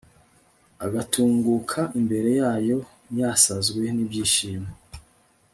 agatunguka imbere yayo yasazwe n'ibyishimo